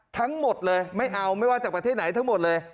ทั้งหมดเลยไม่เอาไม่ว่าจากประเทศไหนทั้งหมดเลย